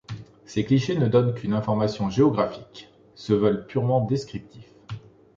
Ses clichés ne donnent qu'une information géographique, se veulent purement descriptifs.